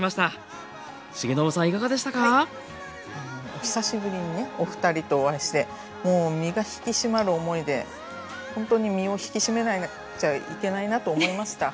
お久しぶりにねお二人とお会いしてもう身が引き締まる思いでほんとに身を引き締めないといけないなと思いました。